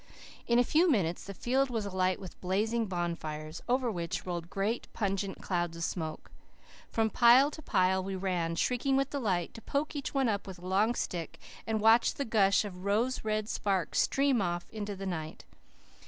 In a few minutes the field was alight with blazing bonfires, over which rolled great, pungent clouds of smoke. From pile to pile we ran, shrieking with delight, to poke each up with a long stick and watch the gush of rose red sparks stream off into the night.